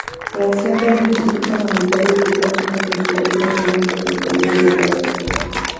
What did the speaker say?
Creación del Instituto Monetario Europeo, como predecesor del Banco Central Europeo.